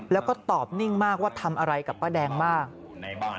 แล้วก็ตอบนิ่งมากว่าทำอะไรกับป้าแดงมาก